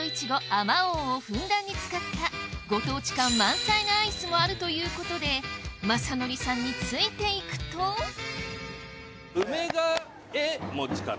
あまおうをふんだんに使ったご当地感満載なアイスもあるということでまさのりさんについていくとうめがえもちかな？